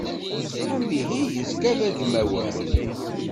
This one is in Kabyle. Amihi yezga d agmawan.